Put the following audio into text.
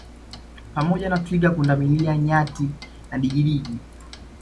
Pamoja na Twiga pundamilia Nyati na digidigi